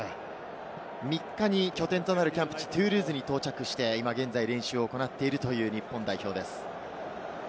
３日に拠点となるキャンプ地、トゥールーズに到着して、現在練習を行っているという日本代表です。